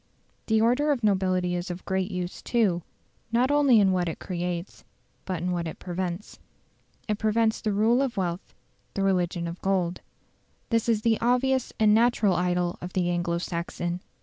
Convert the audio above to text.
The order of nobility is of great use, too, not only in what it creates, but in what it prevents. It prevents the rule of wealth the religion of gold. This is the obvious and natural idol of the Anglo Saxon.